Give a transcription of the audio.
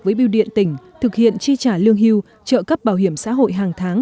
với biêu điện tỉnh thực hiện chi trả lương hưu trợ cấp bảo hiểm xã hội hàng tháng